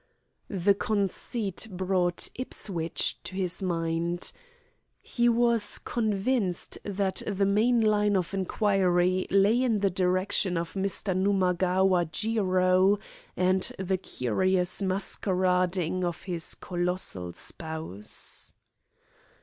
The conceit brought Ipswich to his mind. He was convinced that the main line of inquiry lay in the direction of Mr. Numagawa Jiro and the curious masquerading of his colossal spouse.